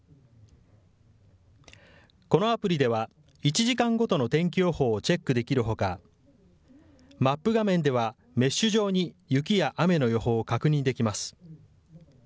このアプリでは、１時間ごとの天気予報をチェックできるほか、マップ画面ではメッシュ状に雪や雨の予報を確認できます。